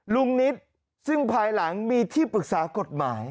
ลุงนิดซึ่งภายหลังมีที่ปรึกษากฎหมาย